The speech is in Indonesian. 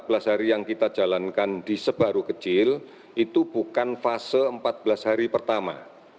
empat belas hari yang kita jalankan di sebaru kecil itu bukan fase empat belas hari pertama